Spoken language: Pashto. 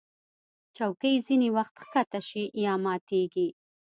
چوکۍ ځینې وخت ښکته شي یا ماتېږي.